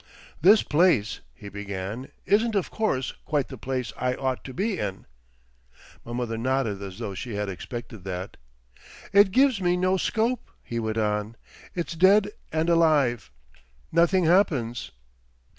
"This place," he began, "isn't of course quite the place I ought to be in." My mother nodded as though she had expected that. "It gives me no Scope," he went on. "It's dead and alive. Nothing happens."